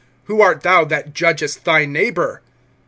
Who art thou that judgest thy neighbor?